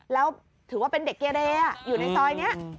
แล้วถือว่าเป็นเด็กเกเรอยู่ในซอยนี้